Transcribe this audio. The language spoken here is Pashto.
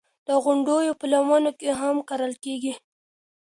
د غونډیو په لمنو کې هم کرل کېږي.